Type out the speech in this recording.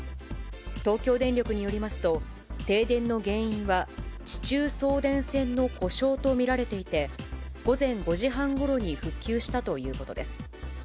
東京電力によりますと、停電の原因は、地中送電線の故障と見られていて、午前５時半ごろに復旧したということです。